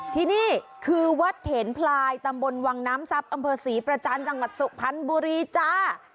ที่นี่คือวัดเถนพลายตำบลวังน้ำทรัพย์อำเภอศรีประจันทร์จังหวัดสุพรรณบุรีจ้า